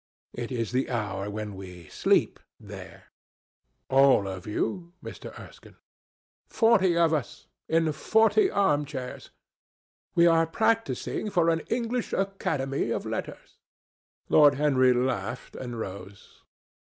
It is the hour when we sleep there." "All of you, Mr. Erskine?" "Forty of us, in forty arm chairs. We are practising for an English Academy of Letters." Lord Henry laughed and rose.